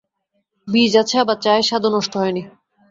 বীজ আছে, আবার চায়ের স্বাদও নষ্ট হয় নি।